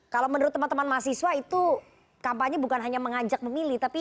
kalau menurut teman teman mahasiswa itu kampanye bukan hanya mengajak memilih